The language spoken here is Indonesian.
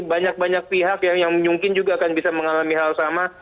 banyak banyak pihak yang mungkin juga akan bisa mengalami hal sama